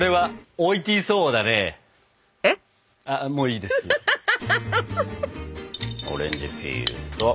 オレンジピールと。